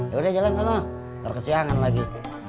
ya udah jalan sana ntar kesiangan lagi